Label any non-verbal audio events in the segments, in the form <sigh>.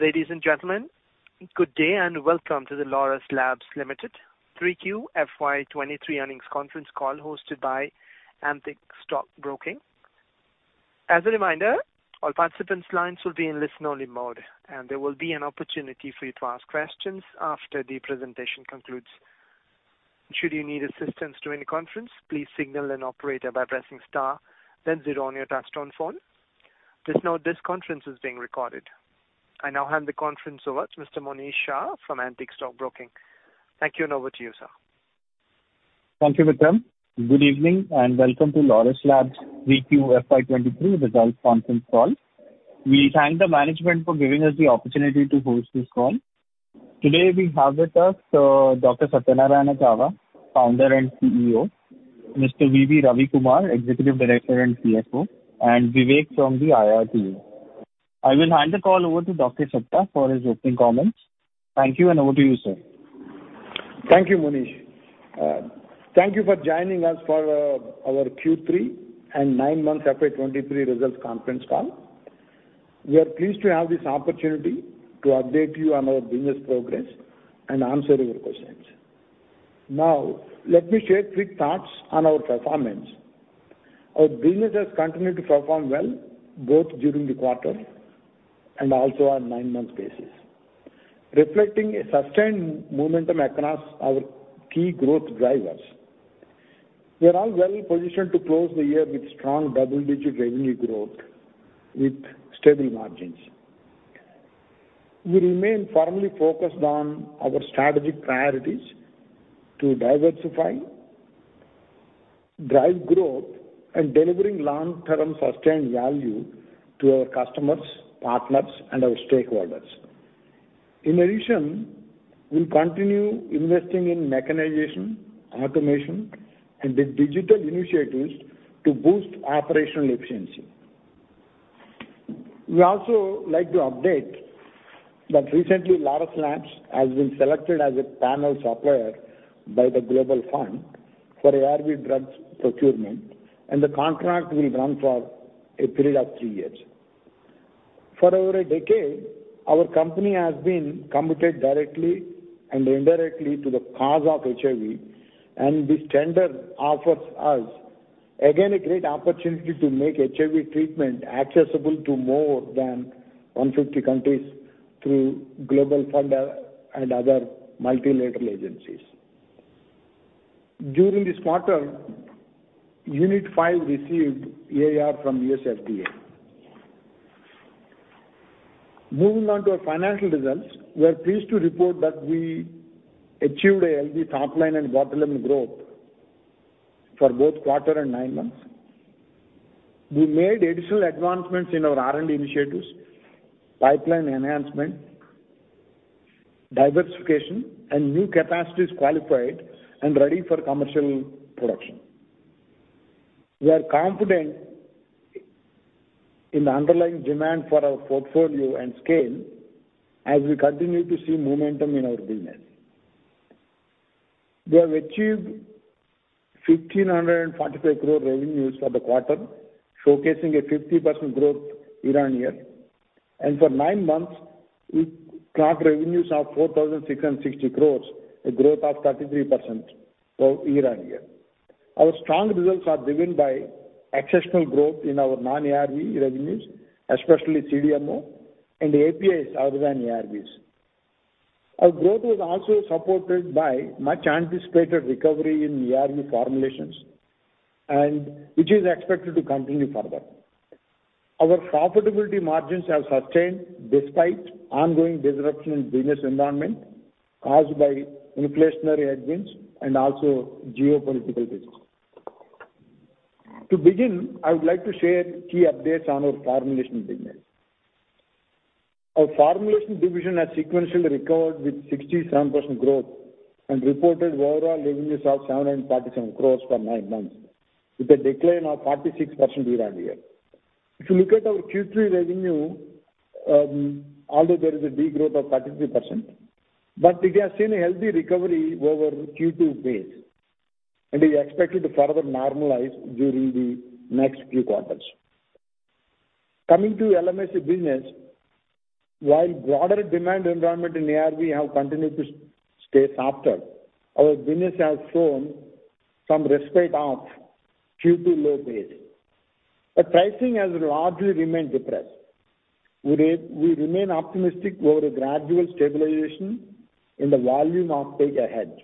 Ladies and gentlemen, good day. Welcome to the Laurus Labs Limited 3Q FY 2023 earnings conference call hosted by Antique Stock Broking. As a reminder, all participants' lines will be in listen-only mode, and there will be an opportunity for you to ask questions after the presentation concludes. Should you need assistance during the conference, please signal an operator by pressing star then zero on your touchtone phone. Just note, this conference is being recorded. I now hand the conference over to Mr. Monish Shah from Antique Stock Broking. Thank you, and over to you, sir. Thank you, Vikram. Good evening, welcome to Laurus Labs 3Q FY 2023 results conference call. We thank the management for giving us the opportunity to host this call. Today we have with us, Dr. Satyanarayana Chava, founder and CEO; Mr. V.V. Ravi Kumar, executive director and CFO; and Vivek from the IR team. I will hand the call over to Dr. Satya for his opening comments. Thank you, over to you, sir. Thank you, Monish. Thank you for joining us for our Q3 and nine-month FY 2023 results conference call. We are pleased to have this opportunity to update you on our business progress and answer your questions. Let me share quick thoughts on our performance. Our business has continued to perform well both during the quarter and also on nine-month basis, reflecting a sustained momentum across our key growth drivers. We are all well-positioned to close the year with strong double-digit revenue growth with stable margins. We remain firmly focused on our strategic priorities to diversify, drive growth, and delivering long-term sustained value to our customers, partners, and our stakeholders. In addition, we'll continue investing in mechanization, automation, and the digital initiatives to boost operational efficiency. We also like to update that recently Laurus Labs has been selected as a panel supplier by the Global Fund for ARV drugs procurement. The contract will run for a period of three years. For over a decade, our company has been committed directly and indirectly to the cause of HIV. This tender offers us again a great opportunity to make HIV treatment accessible to more than 150 countries through Global Fund and other multilateral agencies. During this quarter, Unit 5 received EIR from U.S. FDA. Moving on to our financial results, we are pleased to report that we achieved a healthy top-line and bottom-line growth for both quarter and nine months. We made additional advancements in our R&D initiatives, pipeline enhancement, diversification, and new capacities qualified and ready for commercial production. We are confident in the underlying demand for our portfolio and scale as we continue to see momentum in our business. We have achieved 1,545 crore revenues for the quarter, showcasing a 50% growth year-on-year. For nine months, we clocked revenues of 4,660 crore, a growth of 33% grow year-on-year. Our strong results are driven by exceptional growth in our non-ARV revenues, especially CDMO and APIs other than ARVs. Our growth was also supported by much-anticipated recovery in ARV formulations and which is expected to continue further. Our profitability margins have sustained despite ongoing disruption in business environment caused by inflationary headwinds and also geopolitical risks. To begin, I would like to share key updates on our formulation business. Our formulation division has sequentially recovered with 67% growth and reported overall revenues of 747 crores for nine months with a decline of 46% year-on-year. If you look at our Q3 revenue, although there is a degrowth of 33%, we have seen a healthy recovery over Q2 base, we expect it to further normalize during the next few quarters. Coming to LMIC business, while broader demand environment in ARV have continued to stay softer, our business has shown some respite off Q2 low base. Pricing has largely remained depressed. We remain optimistic over a gradual stabilization in the volume off take ahead.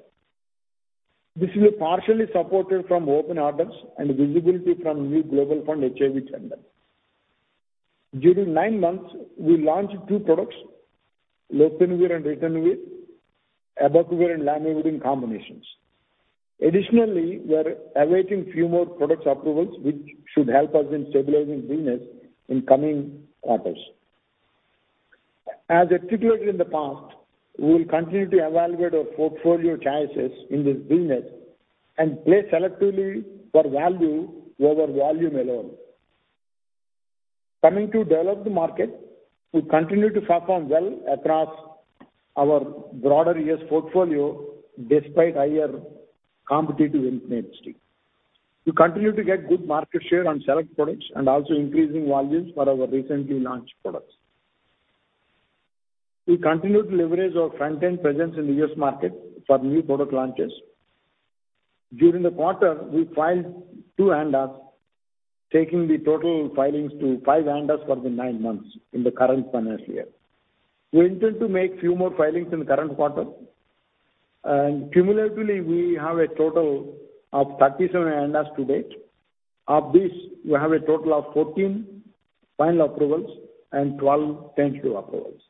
This is partially supported from open orders and visibility from new Global Fund HIV tender. During nine months, we launched two products, lopinavir and ritonavir, abacavir, and lamivudine combinations. Additionally, we're awaiting few more products approvals which should help us in stabilizing business in coming quarters. As articulated in the past, we will continue to evaluate our portfolio choices in this business and play selectively for value over volume alone. Coming to developed market, we continue to perform well across our broader U.S. portfolio despite higher competitive intensity. We continue to get good market share on select products and also increasing volumes for our recently launched products. We continue to leverage our front-end presence in the U.S. market for new product launches. During the quarter, we filed two ANDAs, taking the total filings to five ANDAs for the nine months in the current financial year. Cumulatively, we have a total of 37 ANDAs to date. Of these, we have a total of 14 final approvals and 12 tentative approvals.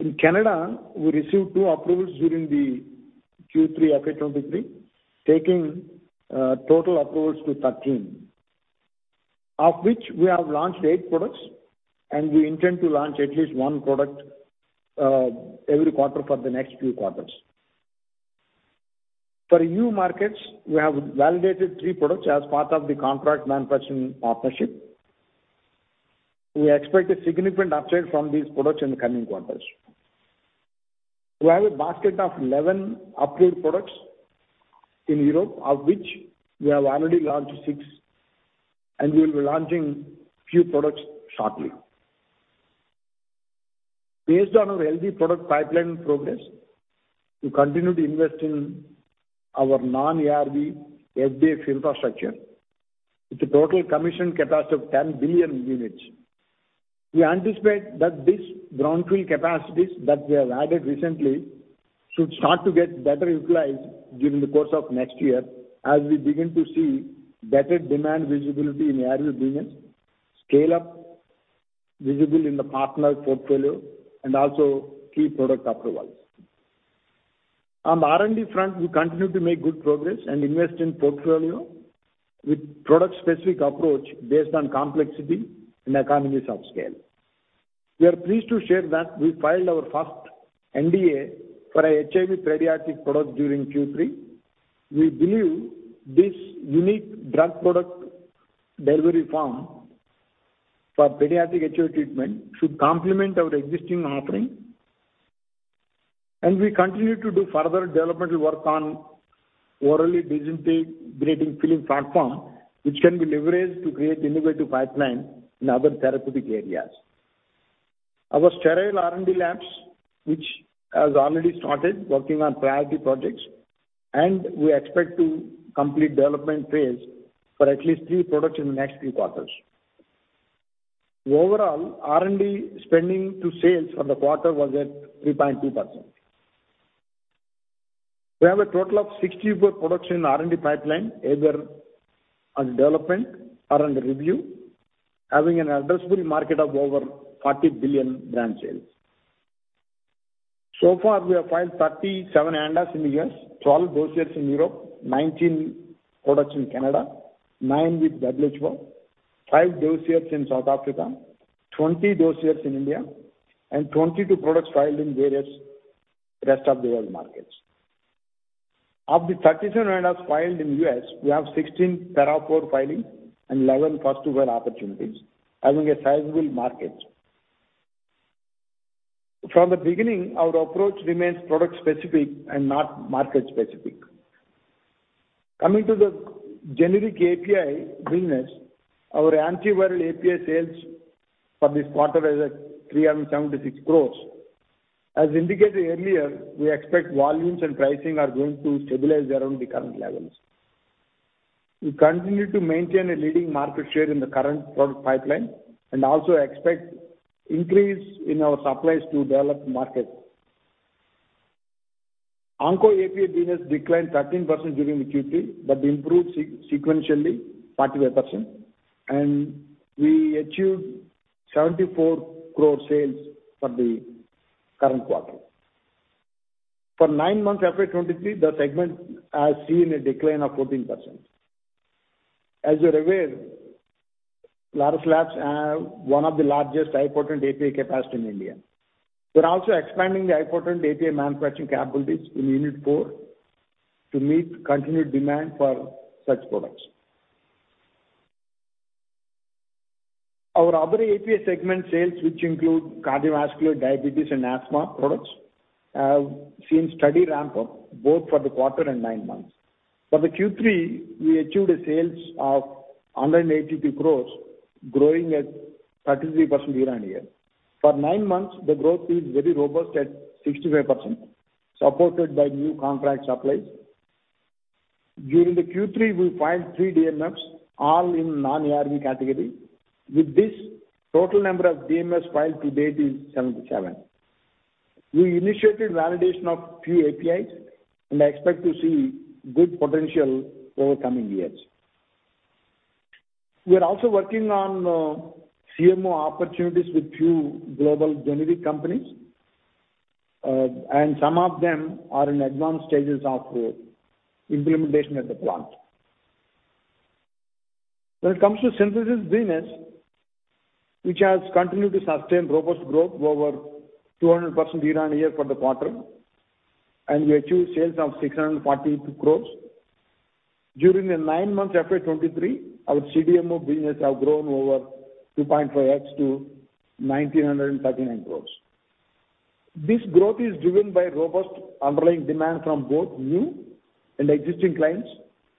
In Canada, we received two approvals during the Q3 FY 2023, taking total approvals to 13, of which we have launched eight products, and we intend to launch at least 1 product every quarter for the next few quarters. For new markets, we have validated three products as part of the contract manufacturing partnership. We expect a significant upside from these products in the coming quarters. We have a basket of 11 approved products in Europe, of which we have already launched six, and we'll be launching few products shortly. Based on our healthy product pipeline progress, we continue to invest in our non-ARV FDA infrastructure with a total commissioned capacity of 10 billion units. We anticipate that these ground-tool capacities that we have added recently should start to get better utilized during the course of next year as we begin to see better demand visibility in ARV business, scale-up visible in the partner portfolio, and also key product approvals. On the R&D front, we continue to make good progress and invest in portfolio with product-specific approach based on complexity and economies of scale. We are pleased to share that we filed our first NDA for a HIV pediatric product during Q3. We believe this unique drug product delivery form for pediatric HIV treatment should complement our existing offering. We continue to do further developmental work on orally disintegrating film platform, which can be leveraged to create innovative pipeline in other therapeutic areas. Our sterile R&D labs, which has already started working on priority projects, and we expect to complete development phase for at least three products in the next few quarters. Overall, R&D spending to sales for the quarter was at 3.2%. We have a total of 64 products in R&D pipeline, either under development or under review, having an addressable market of over $40 billion brand sales. We have filed 37 ANDAs in the U.S., 12 dossiers in Europe, 19 products in Canada, nine with WHO, five dossiers in South Africa, 20 dossiers in India, and 22 products filed in various rest of the world markets. Of the 37 ANDAs filed in U.S., we have 16 Paragraph IV filings and 11 first wave opportunities, having a sizable market. From the beginning, our approach remains product-specific and not market-specific. Coming to the generic API business, our antiviral API sales for this quarter is at 376 crore. As indicated earlier, we expect volumes and pricing are going to stabilize around the current levels. We continue to maintain a leading market share in the current product pipeline and also expect increase in our supplies to developed markets. Onco API business declined 13% during the Q3, but improved sequentially 35%, and we achieved 74 crore sales for the current quarter. For nine months FY 2023, the segment has seen a decline of 14%. As you're aware, Laurus Labs have one of the largest high-potency API capacity in India. We're also expanding the high-potency API manufacturing capabilities in Unit 4 to meet continued demand for such products. Our other API segment sales, which include cardiovascular, diabetes, and asthma products, have seen steady ramp-up both for the quarter and nine months. For the Q3, we achieved a sales of 182 crores, growing at 33% year-on-year. For nine months, the growth is very robust at 65%, supported by new contract supplies. During the Q3, we filed three DMFs, all in non-ARV category. With this, total number of DMFs filed to date is 77. We initiated validation of few APIs and expect to see good potential over coming years. We are also working on CMO opportunities with few global generic companies, and some of them are in advanced stages of implementation at the plant. When it comes to synthesis business, which has continued to sustain robust growth over 200% year-on-year for the quarter. We achieved sales of 642 crores. During the nine months FY 2023, our CDMO business have grown over 2.4x to 1,939 crores. This growth is driven by robust underlying demand from both new and existing clients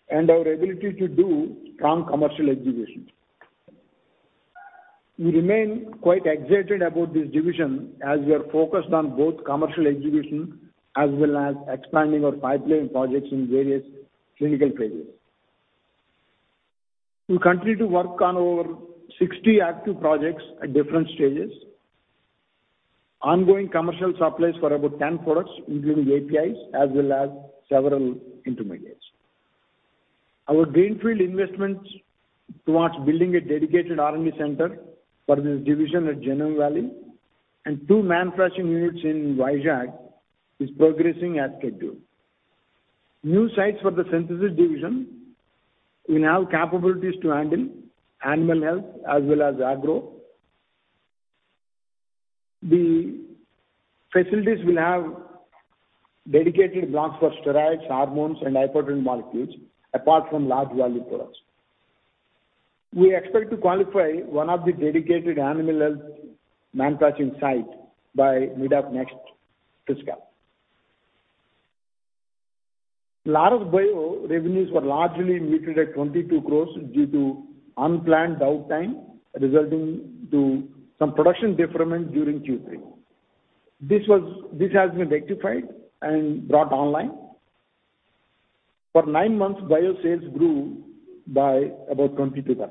and our ability to do strong commercial execution. We remain quite excited about this division as we are focused on both commercial execution as well as expanding our pipeline projects in various clinical phases. We continue to work on over 60 active projects at different stages. Ongoing commercial supplies for about 10 products, including APIs as well as several intermediates. Our greenfield investments towards building a dedicated R&D center for this division at Genome Valley and two manufacturing units in Vizag is progressing as scheduled. New sites for the synthesis division will have capabilities to handle Animal Health as well as Agro. The facilities will have dedicated blocks for steroids, hormones and high-potential molecules, apart from large volume products. We expect to qualify one of the dedicated Animal Health manufacturing site by mid of next fiscal. Laurus Bio revenues were largely muted at 22 crores due to unplanned downtime, resulting to some production deferment during Q3. This has been rectified and brought online. For nine months, bio sales grew by about 22%.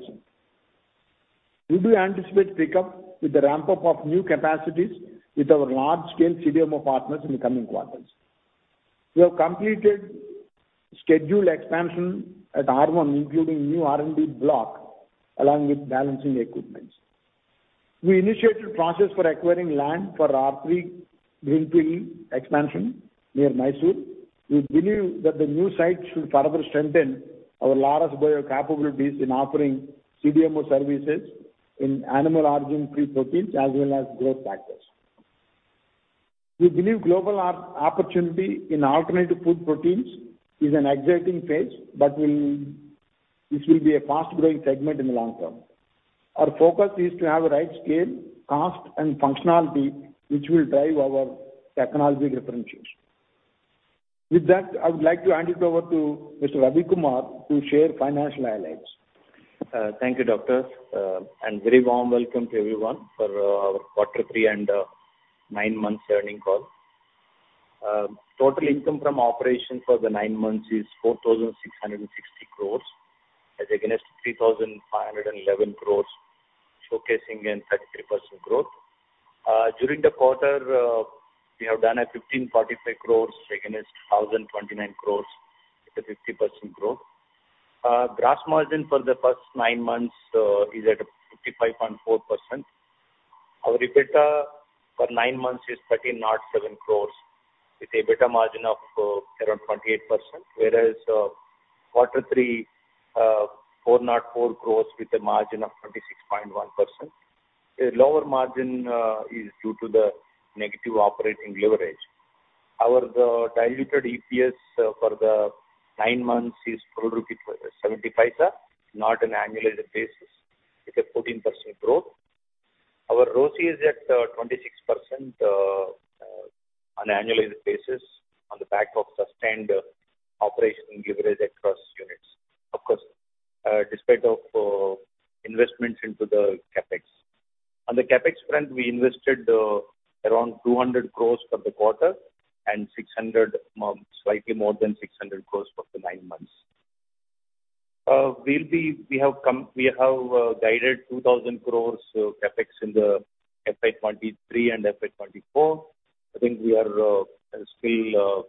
We do anticipate pick up with the ramp up of new capacities with our large scale CDMO partners in the coming quarters. We have completed scheduled expansion at R1, including new R&D block, along with balancing equipment. We initiated process for acquiring land for our pre-greenfield expansion near Mysore. We believe that the new site should further strengthen our Laurus Bio capabilities in offering CDMO services in animal origin-free proteins as well as growth factors. We believe global opportunity in alternative food proteins is an exciting phase, this will be a fast-growing segment in the long term. Our focus is to have the right scale, cost and functionality, which will drive our technology differentiation. With that, I would like to hand it over to Mr. Ravi Kumar to share financial highlights. Thank you, Doctor, and very warm welcome to everyone for our quarter three and nine months earnings call. Total income from operation for the nine months is 4,660 crores as against 3,511 crores, showcasing in 33% growth. During the quarter, we have done a 1,545 crores against 1,029 crores with a 50% growth. Gross margin for the first nine months is at 55.4%. Our EBITDA for nine months is 1,307 crores with a EBITDA margin of around 28%, whereas quarter three, 404 crores with a margin of 26.1%. A lower margin is due to the negative operating leverage. Our diluted EPS for the nine months is 4.70 rupees, not an annualized basis, with a 14% growth. Our ROCE is at 26% on an annualized basis on the back of sustained operating leverage across units. Of course, despite of investments into the CapEx. On the CapEx front, we invested around 200 crores for the quarter and slightly more than 600 crores for the nine months. We have guided 2,000 crores CapEx in the FY 2023 and FY 2024. I think we are still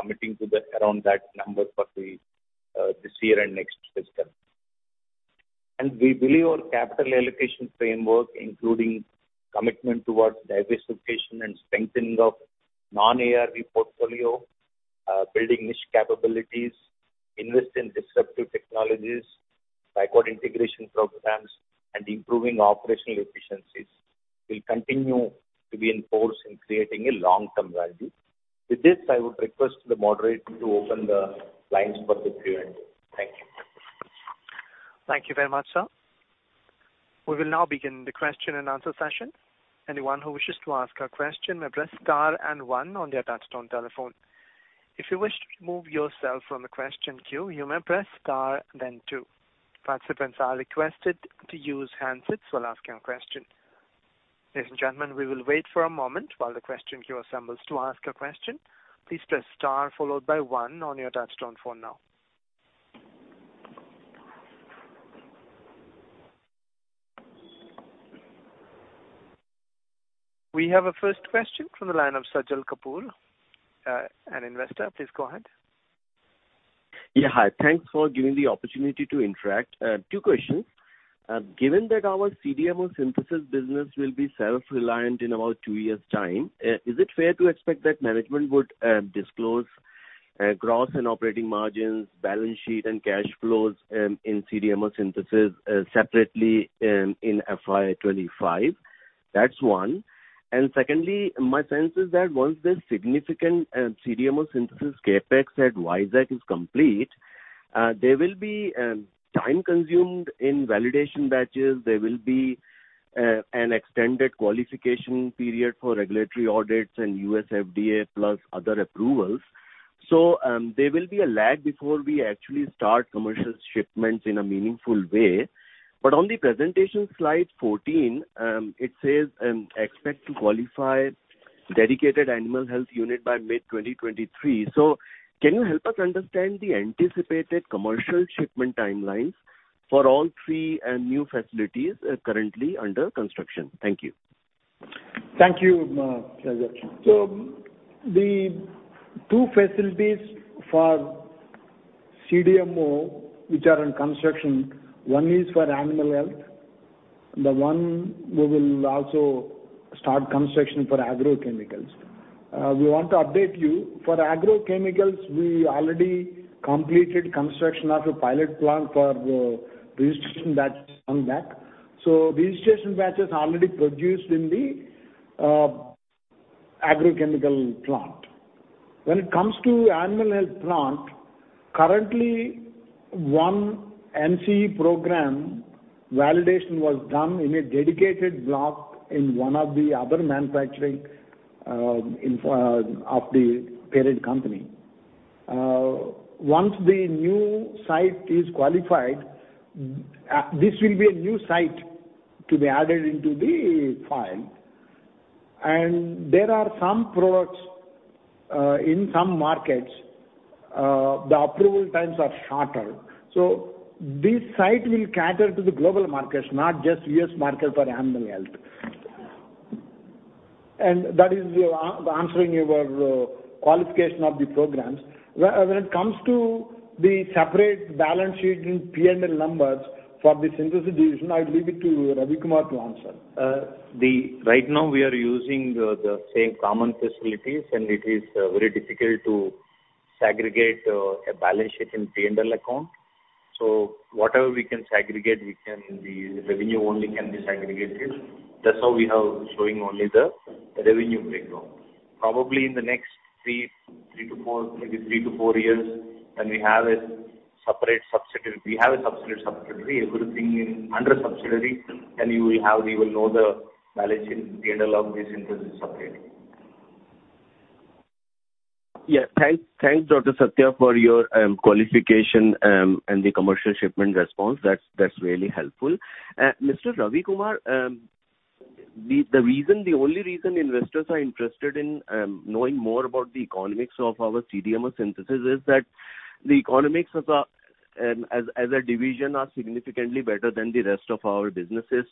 committing to the around that number for this year and next fiscal. We believe our capital allocation framework, including commitment towards diversification and strengthening of non-ARV portfolio, building niche capabilities, invest in disruptive technologies, backward integration programs, and improving operational efficiencies, will continue to be in force in creating a long-term value. With this, I would request the moderator to open the lines for the Q&A. Thank you. Thank you very much, sir. We will now begin the question and answer session. Anyone who wishes to ask a question may press star and one on their touchtone telephone. If you wish to remove yourself from the question queue, you may press star then two. Participants are requested to use handsets while asking a question. Ladies and gentlemen, we will wait for a moment while the question queue assembles. To ask a question, please press star followed by one on your touchtone phone now. We have a first question from the line of Sajal Kapoor, an investor. Please go ahead. Yeah, hi. Thanks for giving the opportunity to interact. Two questions. Given that our CDMO synthesis business will be self-reliant in about two years' time, is it fair to expect that management would disclose gross and operating margins, balance sheet and cash flows, in CDMO synthesis, separately, in FY 2025. That's one. Secondly, my sense is that once the significant CDMO synthesis CapEx at Vizag is complete, there will be time consumed in validation batches. There will be an extended qualification period for regulatory audits and U.S. FDA plus other approvals. There will be a lag before we actually start commercial shipments in a meaningful way. On the presentation slide 14, it says, expect to qualify dedicated Animal Health unit by mid 2023. Can you help us understand the anticipated commercial shipment timelines for all three new facilities, currently under construction? Thank you. Thank you, Sajal. The two facilities for CDMO which are in construction, one is for Animal Health, the one we will also start construction for Agrochemicals. We want to update you. For Agrochemicals, we already completed construction of a pilot plant for the registration batch on that. Registration batch is already produced in the Agrochemical plant. When it comes to Animal Health plant, currently one NCE program validation was done in a dedicated block in one of the other manufacturing of the parent company. Once the new site is qualified, this will be a new site to be added into the file. There are some products in some markets, the approval times are shorter. This site will cater to the global markets, not just U.S. market for Animal Health. That is your answering your qualification of the programs. When it comes to the separate balance sheet and P&L numbers for the synthesis division, I'll leave it to Ravi Kumar to answer. Right now we are using the same common facilities, and it is very difficult to segregate a balance sheet and P&L account. Whatever we can segregate, we can, the revenue only can be segregated. That's how we have showing only the revenue breakdown. Probably in the next three to four, maybe three to four years when we have a separate subsidiary, everything in under subsidiary, then you will know the balance sheet, P&L of the synthesis separately. Yeah. Thanks, thanks, Dr. Satya, for your qualification and the commercial shipment response. That's really helpful. Mr. Ravi Kumar, the reason, the only reason investors are interested in knowing more about the economics of our CDMO synthesis is that the economics as a division are significantly better than the rest of our businesses.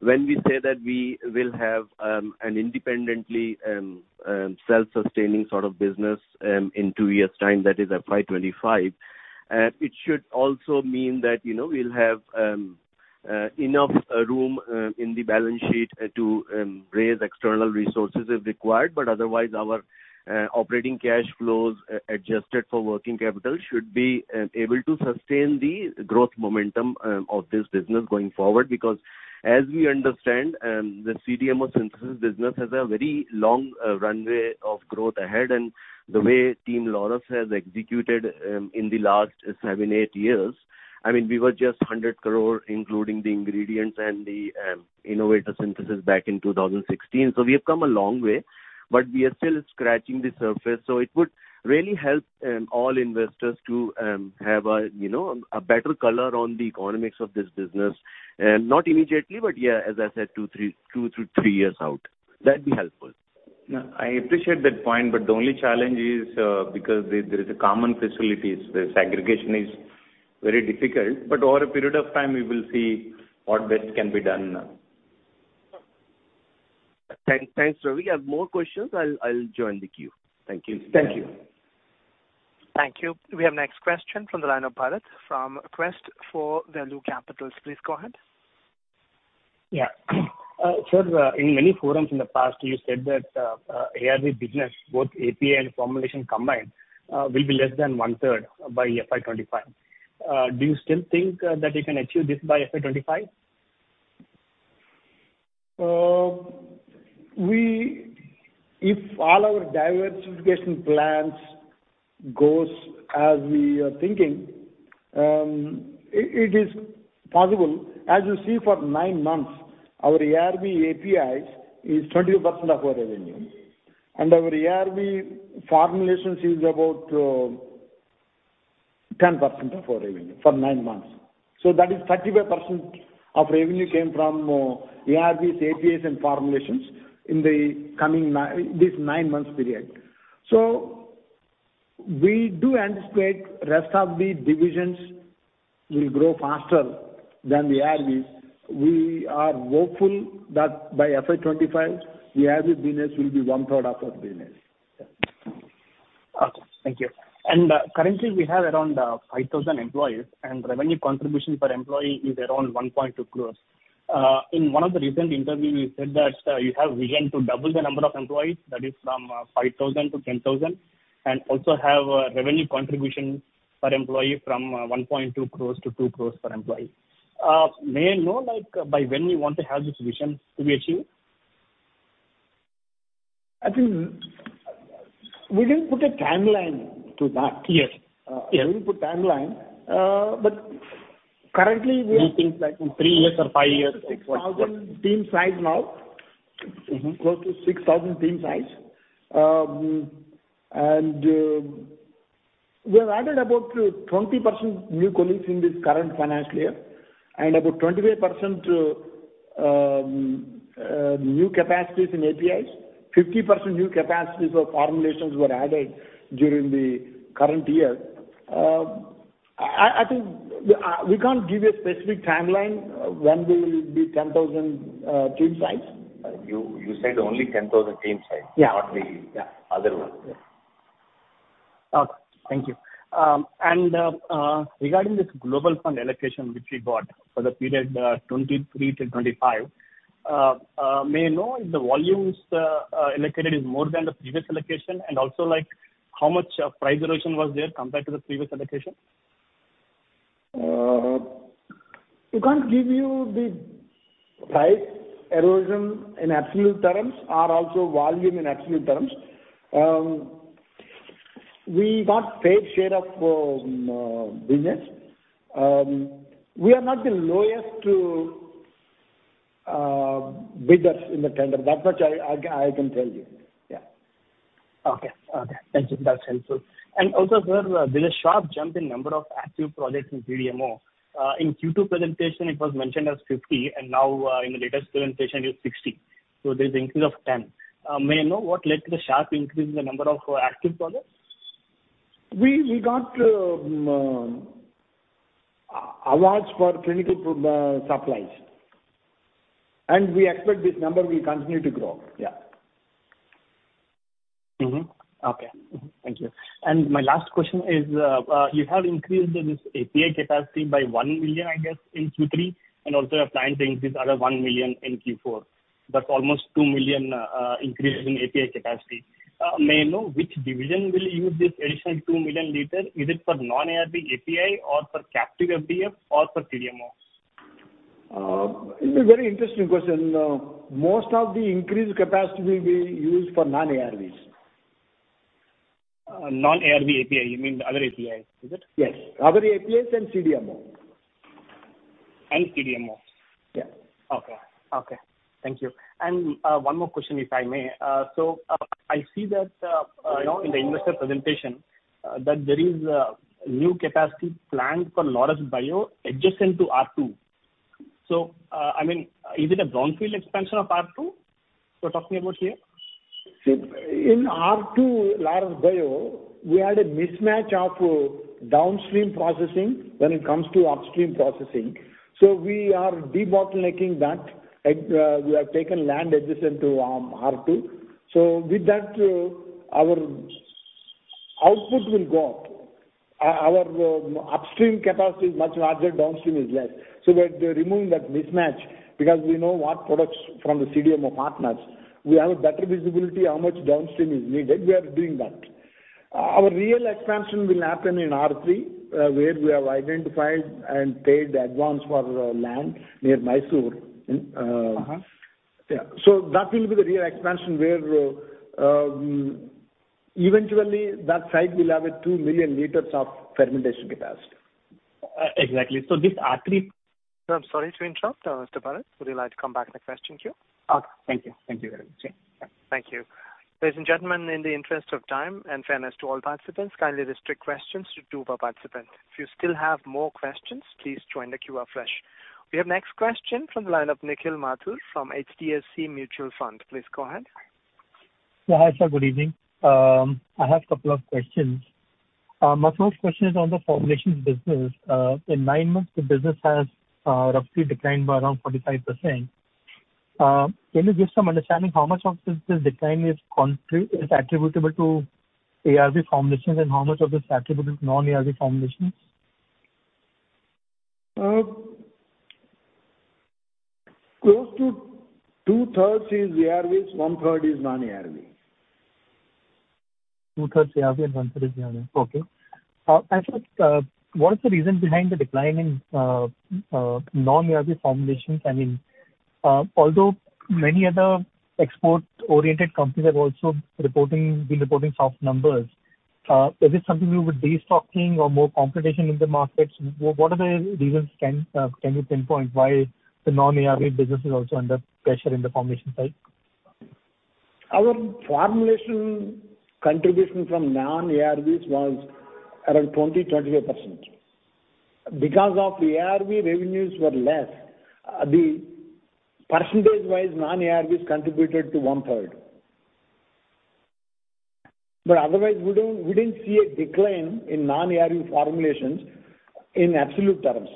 When we say that we will have an independently self-sustaining sort of business in two years' time, that is FY 2025, it should also mean that, you know, we'll have enough room in the balance sheet to raise external resources if required. Otherwise our operating cash flows adjusted for working capital should be able to sustain the growth momentum of this business going forward. As we understand, the CDMO synthesis business has a very long runway of growth ahead. The way Team Laurus has executed, in the last seven, eight years, I mean, we were just 100 crore, including the ingredients and the innovator synthesis back in 2016. We have come a long way, but we are still scratching the surface. It would really help all investors to have a, you know, a better color on the economics of this business. Not immediately, but yeah, as I said, two to three years out. That'd be helpful. I appreciate that point, but the only challenge is, because there is a common facilities, the segregation is very difficult. Over a period of time we will see what best can be done. Thanks, Ravi. I have more questions. I'll join the queue. Thank you. Thank you. Thank you. We have next question from the line of Bharat from Quest for Value Capitals. Please go ahead. Sir, in many forums in the past you said that ARV business, both API and formulation combined, will be less than one-third by FY 2025. Do you still think that you can achieve this by FY 2025? If all our diversification plans goes as we are thinking, it is possible. As you see for nine months, our ARV APIs is 22% of our revenue, and our ARV formulations is about 10% of our revenue for nine months. That is 35% of revenue came from ARVs, APIs and formulations in the coming this nine months period. We do anticipate rest of the divisions will grow faster than the ARVs. We are hopeful that by FY 2025 the ARV business will be 1/3 of our business. Yeah. Okay. Thank you. Currently we have around 5,000 employees, and revenue contribution per employee is around 1.2 crores. In one of the recent interview, you said that you have vision to double the number of employees that is from 5,000 to 10,000. Also have a revenue contribution per employee from 1.2 crores to 2 crores per employee. May I know, like, by when you want to have this vision to be achieved? I think we didn't put a timeline to that. Yes. Yeah. We didn't put timeline. Currently we are. Do you think like in three years or five years or what? Close to 6,000 team size now. Mm-hmm. Close to 6,000 team size. We have added about 20% new colleagues in this current financial year, and about 25% new capacities in APIs. 50% new capacities for formulations were added during the current year. I think we can't give you a specific timeline when we will be 10,000 team size. You said only 10,000 team size. Yeah. Not the other one. Okay. Thank you. Regarding this global fund allocation, which we got for the period, 2023-2025, may I know if the volumes allocated is more than the previous allocation? Also like how much price erosion was there compared to the previous allocation? We can't give you the price erosion in absolute terms or also volume in absolute terms. We got fair share of business. We are not the lowest bidders in the tender. That much I can tell you. Yeah. Okay. Okay. Thank you. That's helpful. Also, sir, there's a sharp jump in number of active projects in CDMO. In Q2 presentation, it was mentioned as 50. Now, in the latest presentation it is 60. There's increase of 10. May I know what led to the sharp increase in the number of active projects? We got awards for clinical supplies. We expect this number will continue to grow. Yeah. Okay. Thank you. My last question is, you have increased this API capacity by 1 million, I guess, in Q3, and also you are planning to increase another 1 million in Q4. That's almost 2 million increase in API capacity. May I know which division will use this additional 2 million liters? Is it for non-ARV API or for captive FDF or for CDMO? It's a very interesting question. Most of the increased capacity will be used for non-ARVs. non-ARV API, you mean other APIs, is it? Yes. Other APIs and CDMO. CDMO? Yeah. Okay. Okay. Thank you. One more question, if I may. I see that, you know, in the investor presentation, that there is a new capacity planned for Laurus Bio adjacent to R2. I mean, is it a brownfield expansion of R2 we're talking about here? In R2 Laurus Bio, we had a mismatch of downstream processing when it comes to upstream processing. We are debottlenecking that. Like, we have taken land adjacent to R2. With that, our output will go up. Our upstream capacity is much larger, downstream is less. We are removing that mismatch because we know what products from the CDMO partners. We have a better visibility how much downstream is needed. We are doing that. Our real expansion will happen in R3, where we have identified and paid the advance for land near Mysore. Uh-huh. Yeah. That will be the real expansion where, eventually that site will have a 2 million liters of fermentation capacity. Exactly. this R3. Sir, I'm sorry to interrupt, Mr. Bharat. Would you like to come back with the question queue? Okay. Thank you. Thank you very much. Yeah. Thank you. Ladies and gentlemen, in the interest of time and fairness to all participants, kindly restrict questions to two per participant. If you still have more questions, please join the Q&A flash. We have next question from the line of Nikhil Mathur from HDFC Mutual Fund. Please go ahead. Hi, sir. Good evening. I have a couple of questions. My first question is on the formulations business. In nine months, the business has roughly declined by around 45%. Can you give some understanding how much of this decline is attributable to ARV formulations and how much of this is attributable to non-ARV formulations? Close to two-thirds is ARVs, one-third is non-ARVs. Two-thirds ARV and one-third is non-ARV. Okay. What is the reason behind the decline in non-ARV formulations? Although many other export-oriented companies have also been reporting soft numbers, is it something to do with de-stocking or more competition in the markets? What are the reasons can you pinpoint why the non-ARV business is also under pressure in the formulation side? Our formulation contribution from non-ARVs was around 20%-25%. Because of ARV revenues were less, the percentage-wise non-ARVs contributed to 1/3. Otherwise, we didn't see a decline in non-ARV formulations in absolute terms.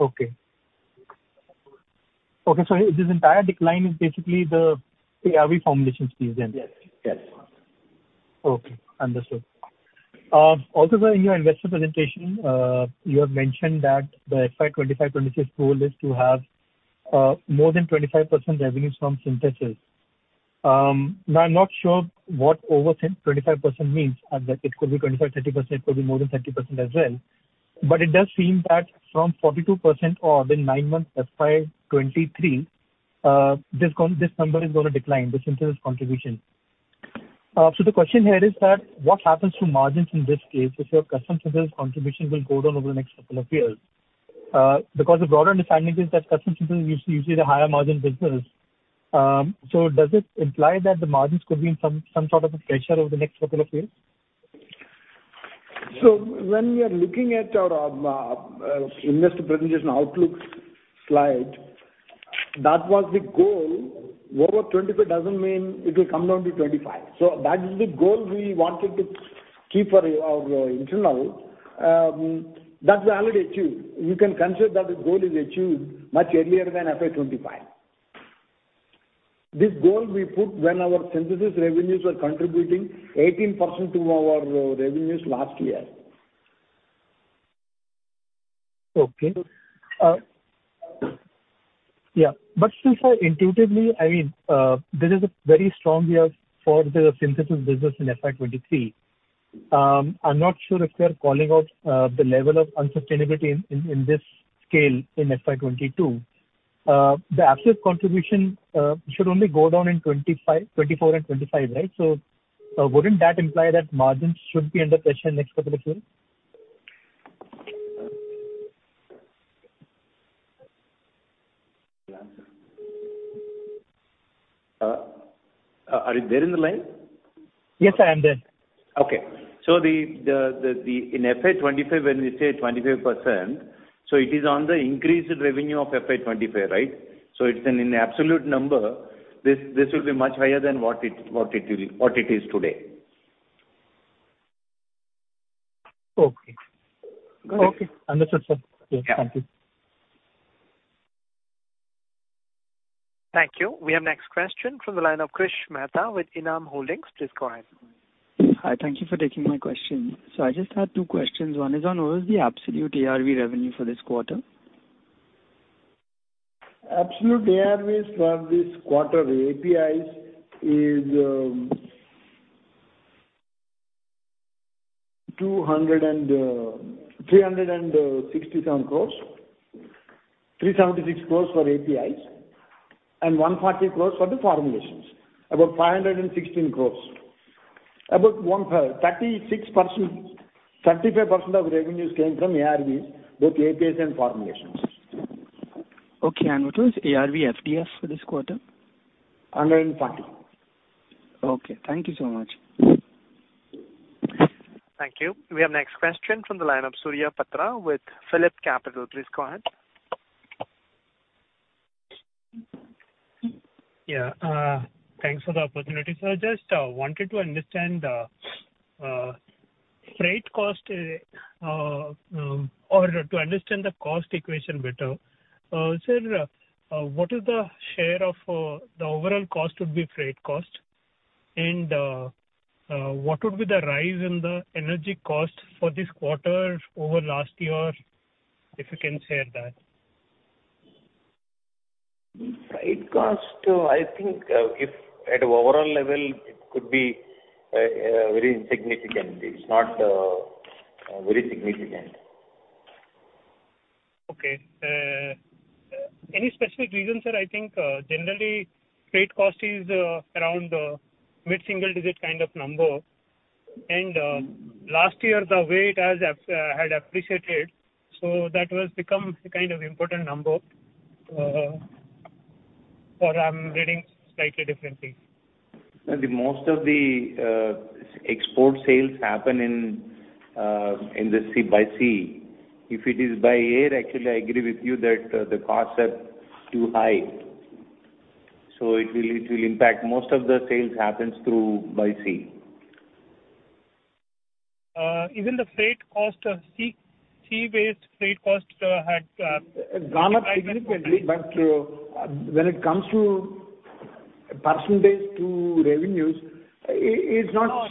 Okay. This entire decline is basically the ARV formulations piece then? Yes. Yes. Okay. Understood. Also in your investor presentation, you have mentioned that the FY 2025-2026 goal is to have more than 25% revenues from synthesis. Now, I'm not sure what over 10%, 25% means, and that it could be 25%, 30%, it could be more than 30% as well. It does seem that from 42% or the nine months FY 2023, this number is gonna decline, the synthesis contribution. The question here is that what happens to margins in this case if your custom synthesis contribution will go down over the next couple of years? Because the broader understanding is that custom synthesis is usually the higher margin business. Does it imply that the margins could be in some sort of a pressure over the next couple of years? When we are looking at our investor presentation outlook slide, that was the goal. Over 25% doesn't mean it will come down to 25%. That is the goal we wanted to keep for our internal. That we already achieved. You can consider that the goal is achieved much earlier than FY 2025. This goal we put when our synthesis revenues were contributing 18% to our revenues last year. Okay. Yeah. Still, sir, intuitively, I mean, there is a very strong year for the synthesis business in FY 2023. I'm not sure if we are calling out, the level of unsustainability in, in this scale in FY 2022. The absolute contribution should only go down in 25%, 24% and 25%, right? Wouldn't that imply that margins should be under pressure next couple of years? Are you there in the line? Yes, I am there. Okay. In FY 2025, when we say 25%, it is on the increased revenue of FY 2025, right? It's an in absolute number, this will be much higher than what it is today. Okay. Okay. Understood, sir. Yeah. Thank you. Thank you. We have next question from the line of Krish Mehta with Enam Holdings. Please go ahead. Hi. Thank you for taking my question. I just had two questions. One is on what was the absolute ARV revenue for this quarter? Absolute ARVs for this quarter, the APIs is 367 crores. 376 crores for APIs and 140 crores for the formulations. About 516 crores. About 36%, 35% of revenues came from ARVs, both APIs and formulations. Okay. What was ARV FDF for this quarter? <audio distortion> Okay. Thank you so much. Thank you. We have next question from the line of Surya Patra with PhillipCapital. Please go ahead. Yeah. Thanks for the opportunity. I just wanted to understand freight cost or to understand the cost equation better. Sir, what is the share of the overall cost would be freight cost? What would be the rise in the energy cost for this quarter over last year, if you can share that? Freight cost, I think, if at overall level it could be very insignificant. It's not very significant. Okay. Any specific reason, sir? I think, generally freight cost is, around, mid-single digit kind of number. Last year the weight had appreciated, so that will become a kind of important number, or I'm reading slightly differently. The most of the export sales happen in the sea, by sea. If it is by air, actually, I agree with you that the costs are too high. It will impact. Most of the sales happens through by sea. Even the freight cost of sea-based freight costs had. Gone up significantly, but when it comes to percentage to revenues, it's not. Oh.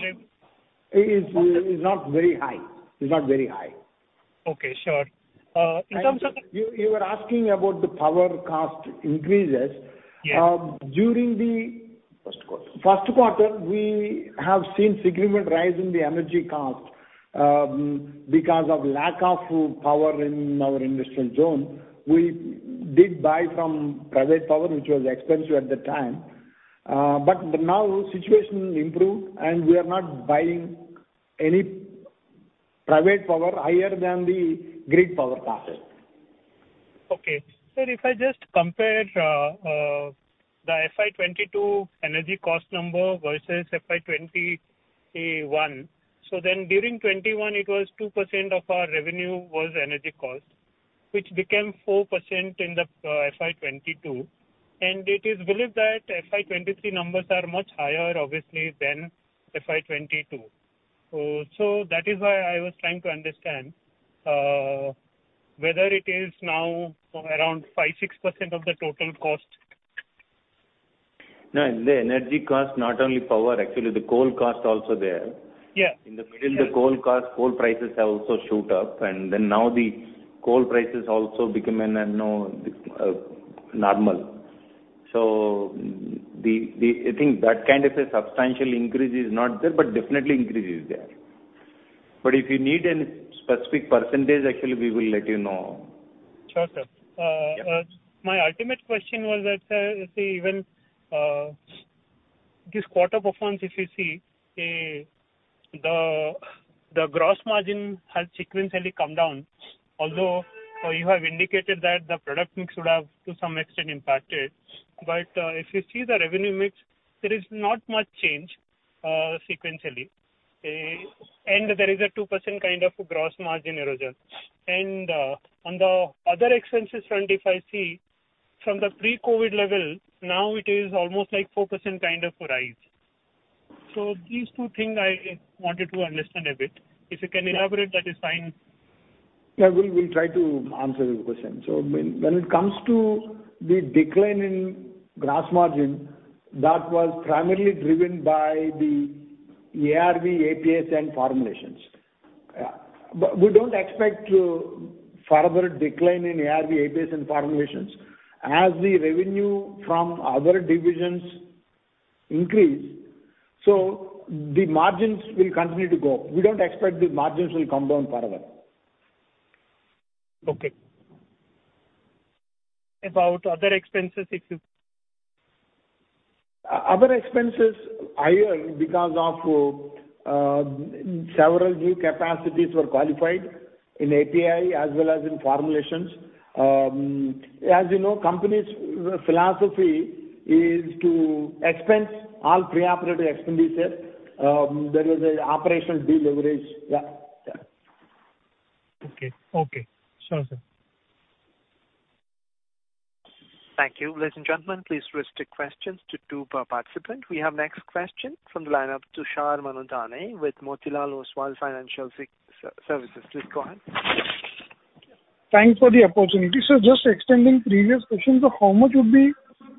It's not very high. It's not very high. Okay. Sure. You were asking about the power cost increases. Yeah. Um, during the first quarter, we have seen significant rise in the energy cost, because of lack of power in our industrial zone. We did buy from private power, which was expensive at the time. Now situation improved, and we are not buying any private power higher than the grid power costs. Okay. Sir, if I just compare the FY 2022 energy cost number versus FY 2021. During 2021 it was 2% of our revenue was energy cost, which became 4% in the FY 2022. It is believed that FY 2023 numbers are much higher obviously than FY 2022. That is why I was trying to understand whether it is now around 5%-6% of the total cost. No, the energy cost, not only power, actually the coal cost also there. Yeah. In the middle, the coal cost, coal prices have also shoot up. Now the coal prices also become a, you know, normal. I think that kind of a substantial increase is not there, but definitely increase is there. If you need any specific percentage, actually we will let you know. Sure, sir. My ultimate question was that, sir, see even this quarter performance, if you see, the gross margin has sequentially come down. Although you have indicated that the product mix would have to some extent impacted. If you see the revenue mix, there is not much change sequentially. There is a 2% kind of gross margin erosion. On the other expenses front, if I see from the pre-COVID level, now it is almost like 4% kind of rise. These two thing I wanted to understand a bit. If you can elaborate that is fine. Yeah. We'll try to answer your question. When it comes to the decline in gross margin, that was primarily driven by the ARV, APS and formulations. We don't expect to further decline in ARV, APS and formulations. As the revenue from other divisions increase, so the margins will continue to go up. We don't expect the margins will come down further. Okay. About other expenses if you. Other expenses higher because of several new capacities were qualified in API as well as in formulations. As you know, company's philosophy is to expense all pre-operative expenditures. There is a operational deleverage. Yeah. Yeah. Okay. Okay. Sure, sir. Thank you. Ladies and gentlemen, please restrict questions to two per participant. We have next question from the line of Tushar Manudhane with Motilal Oswal Financial Services. Please go ahead. Thanks for the opportunity. Just extending previous question. How much would be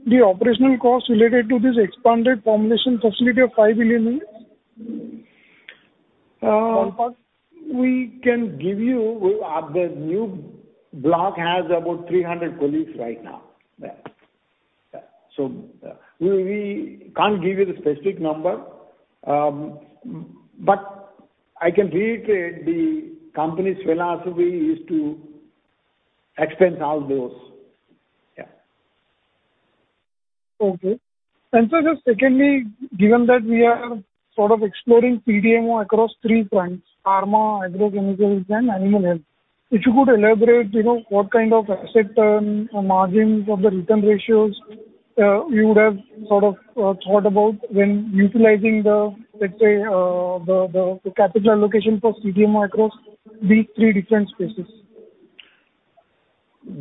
the operational cost related to this expanded formulation facility of 5 million units? We can give you the new block has about 300 colleagues right now. Yeah. We can't give you the specific number. I can reiterate the company's philosophy is to expense all those. Yeah. Okay. Just secondly, given that we are sort of exploring CDMO across three fronts, pharma, Agrochemicals and Animal Health. If you could elaborate, you know, what kind of asset turn or margins or the return ratios you would have sort of thought about when utilizing the, let's say, the capital allocation for CDMO across these three different spaces?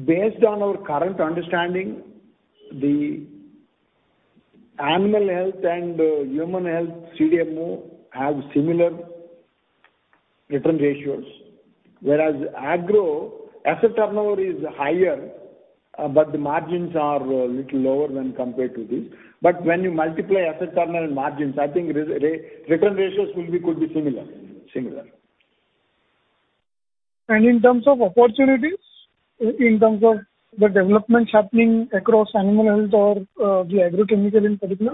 Based on our current understanding, the Animal Health and human health CDMO have similar return ratios. Agro, asset turnover is higher, but the margins are a little lower when compared to this. When you multiply asset turnover and margins, I think return ratios could be similar. In terms of opportunities, in terms of the developments happening across Animal Health or, the Agrochemical in particular?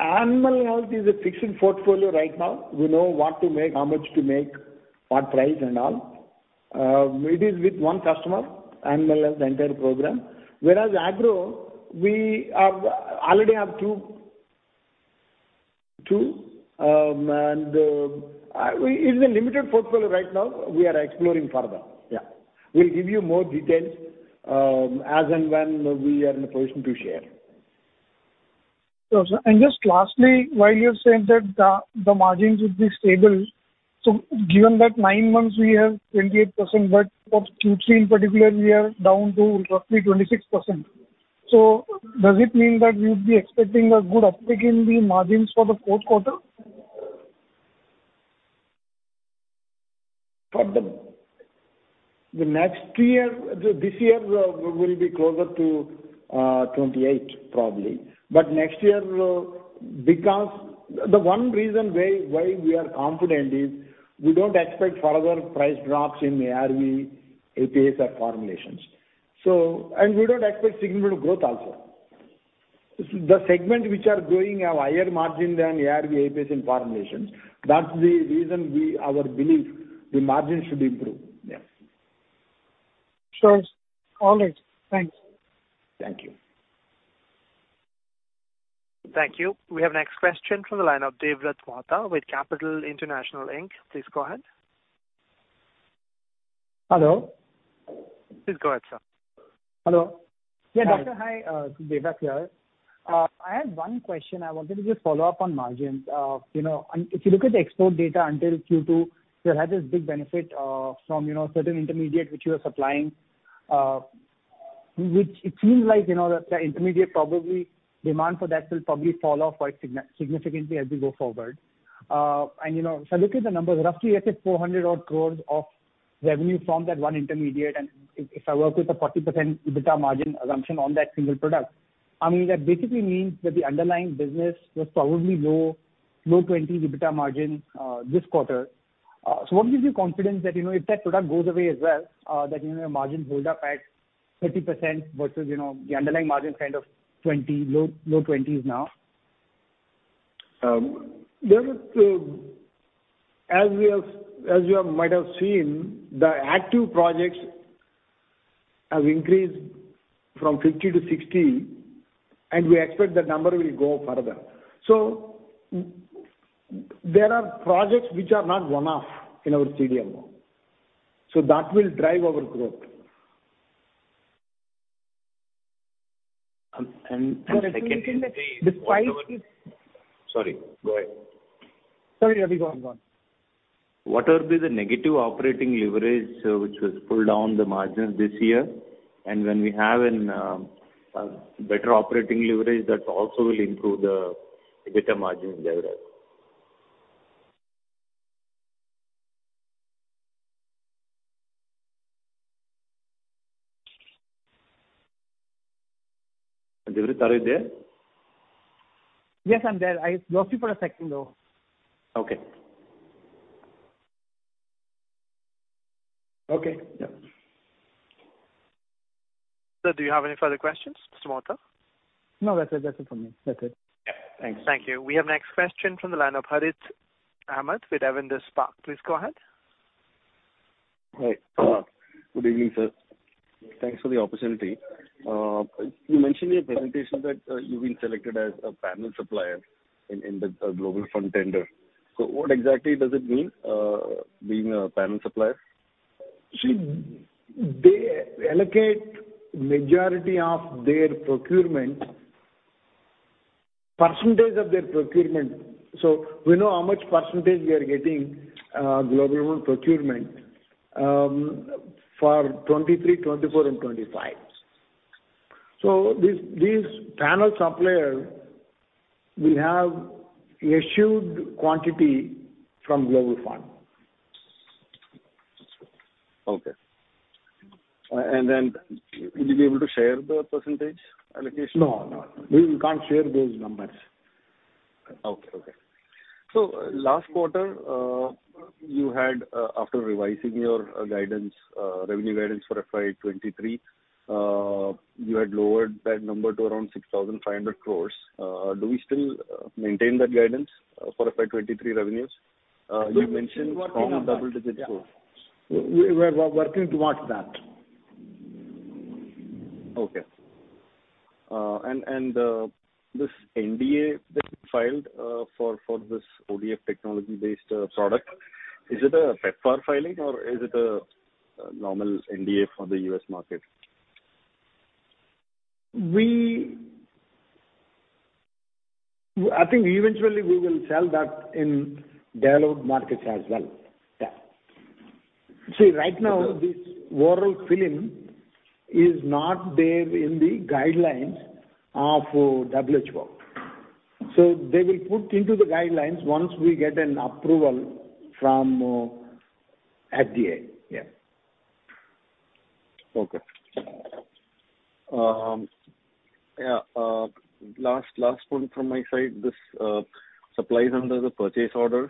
Animal health is a fixed portfolio right now. We know what to make, how much to make, what price and all. It is with one customer, Animal Health, the entire program. Whereas Agro, we have already have two. It's a limited portfolio right now. We are exploring further. Yeah. We'll give you more details as and when we are in a position to share. Sure, sir. Just lastly, while you're saying that the margins would be stable, given that nine months we have 28%, for Q3 in particular we are down to roughly 26%. Does it mean that we would be expecting a good uptick in the margins for the fourth quarter? For the next year, this year we'll be closer to 28% probably. Next year will, because the one reason why we are confident is we don't expect further price drops in ARV, API or formulations. We don't expect significant growth also. The segment which are growing have higher margin than ARV, API and formulations. That's the reason our belief the margin should improve. Yeah. Sure. All right. Thanks. Thank you. Thank you. We have next question from the line of Devvrat Mohta with Capital International, Inc. Please go ahead. Hello. Please go ahead, sir. Hello. Yeah. Yeah, doctor. Hi, Devvrat here. I had one question. I wanted to just follow up on margins. You know, if you look at the export data until Q2, you had this big benefit, from, you know, certain intermediate which you were supplying. Which it seems like, you know, the intermediate probably demand for that will probably fall off quite significantly as we go forward. And, you know, if I look at the numbers, roughly I say 400 odd crores of revenue from that one intermediate. And if I work with a 40% EBITDA margin assumption on that single product, I mean, that basically means that the underlying business was probably low twenties EBITDA margin this quarter. So what gives you confidence that, you know, if that product goes away as well, that, you know, margin build up at 30% versus, you know, the underlying margin kind of 20%, low 20%s now? There is, as you might have seen, the active projects have increased from 50 to 60. We expect the number will go further. There are projects which are not one-off in our CDMO. That will drive our growth. <crosstalk> Sorry, go ahead. Sorry. Go on, go on. What will be the negative operating leverage, which was pulled down the margins this year? When we have an better operating leverage that also will improve the EBITDA margin leverage. Devvrat are you there? Yes, I'm there. I lost you for a second, though. Okay. Okay. Yeah. Sir, do you have any further questions, Mr. Mohta? No, that's it. That's it from me. That's it. Yeah. Thanks. We have next question from the line of Harith Ahamed with Avendus Spark. Please go ahead. Hi. Good evening, sir. Thanks for the opportunity. You mentioned in your presentation that you've been selected as a panel supplier in the Global Fund tender. What exactly does it mean, being a panel supplier? See, they allocate majority of their procurement, percentage of their procurement. We know how much percentage we are getting, Global Fund procurement, for 2023, 2024 and 2025. These panel suppliers will have assured quantity from Global Fund. Okay. Will you be able to share the percentage allocation? No, no. We can't share those numbers. Okay. Okay. Last quarter, you had after revising your guidance, revenue guidance for FY 2023, you had lowered that number to around 6,500 crores. Do we still maintain that guidance for FY 2023 revenues? We're working on that. Strong double-digit growth. Yeah. We're working towards that. Okay. This NDA that you filed for this ODF technology-based product, is it a PEPFAR filing or is it a normal NDA for the U.S. market? We I think eventually we will sell that in developed markets as well. Yeah. See, right now this oral film is not there in the guidelines of WHO. They will put into the guidelines once we get an approval from FDA. Yeah. Okay. Yeah, last point from my side, this, supplies under the purchase order,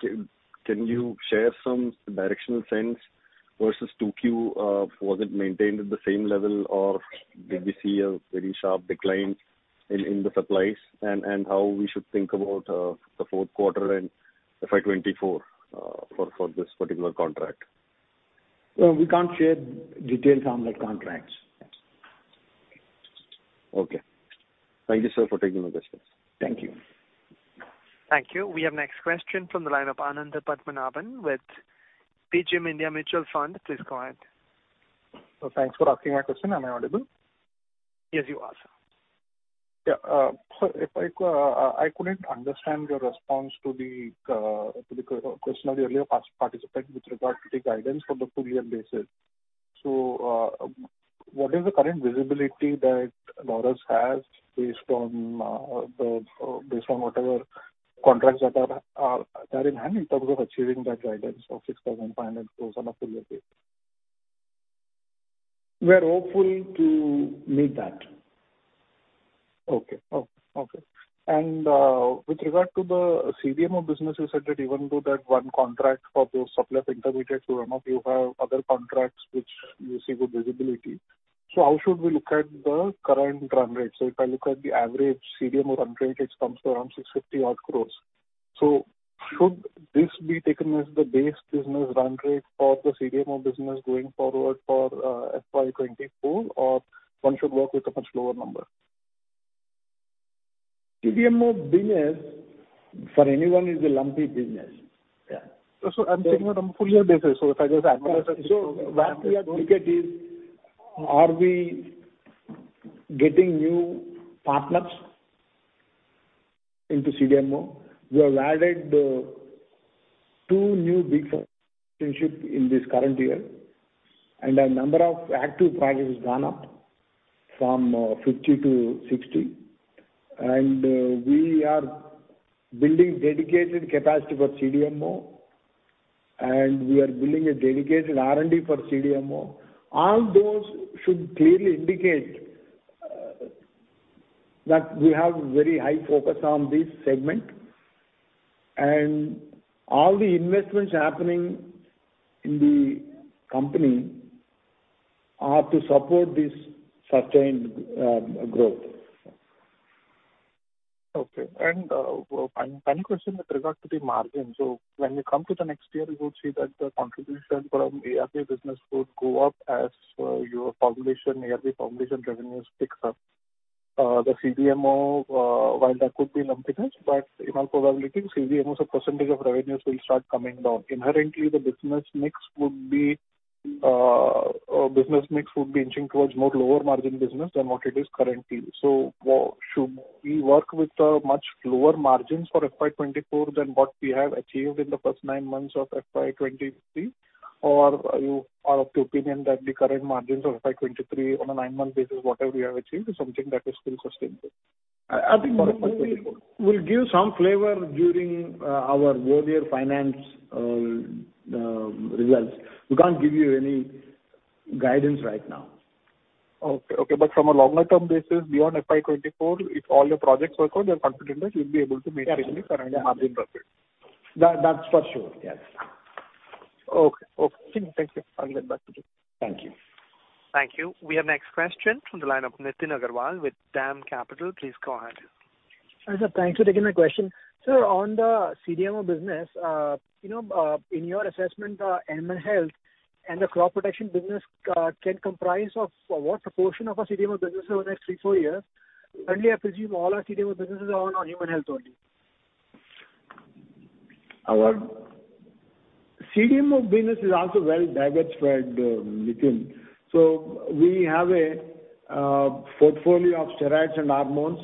can you share some directional sense versus 2Q, was it maintained at the same level or did we see a very sharp decline in the supplies? How we should think about, the fourth quarter and FY 2024, for this particular contract? Well, we can't share details on that contract. Okay. Thank you, sir, for taking my questions. Thank you. Thank you. We have next question from the line of Anandha Padmanabhan with PGIM India Mutual Fund. Please go ahead. Thanks for asking my question. Am I audible? Yes, you are, sir. Yeah. I couldn't understand your response to the question of the earlier past participant with regard to the guidance on the full year basis. What is the current visibility that Laurus has based on the based on whatever contracts that are there in hand in terms of achieving that guidance of 6,500 crores on a full year basis? We're hopeful to meet that. Okay. Okay. With regard to the CDMO business, you said that even though that one contract for those surplus intermediates run up, you have other contracts which you see good visibility. How should we look at the current run rate? If I look at the average CDMO run rate, it comes to around 650 odd crores. Should this be taken as the base business run rate for the CDMO business going forward for FY 2024 or one should work with a much lower number? CDMO business for anyone is a lumpy business. Yeah. I'm thinking on a full year basis. If I just annualize it. What we are looking at is are we getting new partners into CDMO. We have added twp new big in this current year, and our number of active projects has gone up from 50 to 60. We are building dedicated capacity for CDMO, and we are building a dedicated R&D for CDMO. All those should clearly indicate that we have very high focus on this segment. All the investments happening in the company are to support this sustained growth. Okay. One final question with regard to the margin. When we come to the next year, we would see that the contribution from ARV business would go up as your formulation, ARV formulation revenues picks up. The CDMO, while there could be lumpiness, but in all probability, CDMO as a percentage of revenues will start coming down. Inherently, the business mix would be inching towards more lower margin business than what it is currently. Should we work with the much lower margins for FY 2024 than what we have achieved in the first nine months of FY 2023? Or are you of the opinion that the current margins of FY 2023 on a nine-month basis, whatever you have achieved, is something that is still sustainable? I think we'll give some flavor during our whole year finance results. We can't give you any guidance right now. Okay, okay. From a longer term basis beyond FY 2024, if all your projects work out, you're confident that you'll be able to maintain the current margin profile. That's for sure, yes. Okay. Okay. Thank you. I'll get back to you. Thank you. Thank you. We have next question from the line of Nitin Agarwal with DAM Capital. Please go ahead. Hi, sir. Thanks for taking my question. Sir, on the CDMO business, you know, in your assessment, Animal Health and the Crop Protection business can comprise of what proportion of our CDMO business over the next thre, four years? Currently, I presume all our CDMO business is on human health only. Our CDMO business is also very diverse spread within. We have a portfolio of steroids and hormones.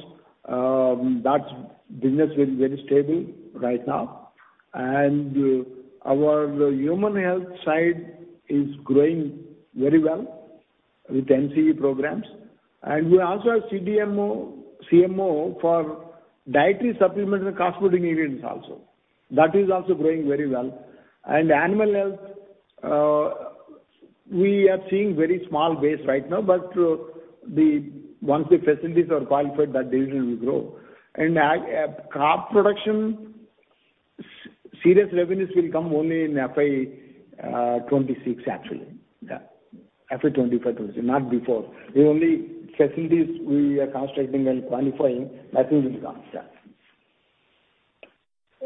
That business is very stable right now. Our human health side is growing very well with NCE programs. We also have CDMO, CMO for dietary supplements and cosmeceutical ingredients also. That is also growing very well. Animal health, we are seeing very small base right now, but once the facilities are qualified, that division will grow. Crop production serious revenues will come only in FY 2026 actually. FY 2025, not before. The only facilities we are constructing and qualifying, that will become.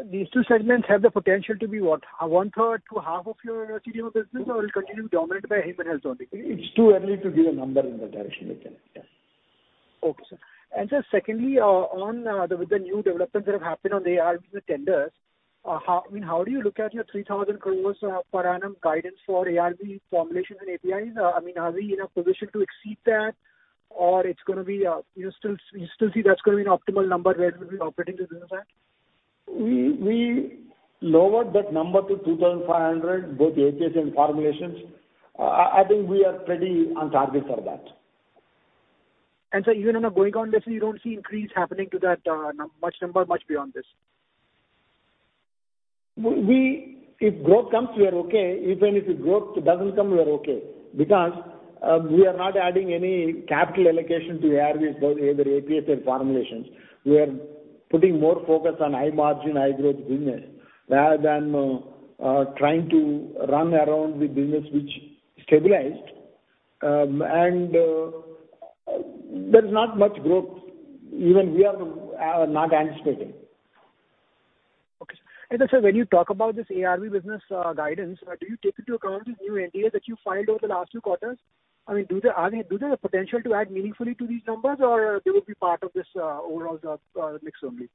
These two segments have the potential to be what? 1/3 to half of your CDMO business or it'll continue to be dominated by human health only? It's too early to give a number in that direction, Nitin. Yeah. Okay, sir. Sir, secondly, with the new developments that have happened on the ARV tenders, how, I mean, how do you look at your 3,000 crore per annum guidance for ARV formulations and APIs? I mean, are we in a position to exceed that? It's gonna be, you still see that's gonna be an optimal number where we'll be operating the business at? We lowered that number to 2,500, both APIs and formulations. I think we are pretty on target for that. Sir, even on a going concern, you don't see increase happening to that number much beyond this? We If growth comes, we are okay. Even if the growth doesn't come, we are okay. We are not adding any capital allocation to ARVs, both either APIs or formulations. We are putting more focus on high margin, high growth business, rather than trying to run around the business which stabilized. There's not much growth even we are not anticipating. Okay, sir. Then, sir, when you talk about this ARV business, guidance, do you take into account the new NDA that you filed over the last two quarters? I mean, do they have potential to add meaningfully to these numbers, or they will be part of this, overall mix only?